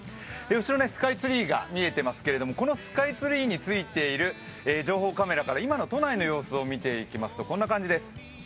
後ろ、スカイツリーが見えていますけれども、このスカイツリーについている情報カメラから今の都内の様子を見ていきますとこんな感じです。